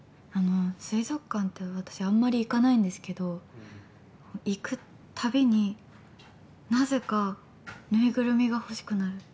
水族館ってあんまり行かないんですけど行くたびに、なぜかぬいぐるみが欲しくなる。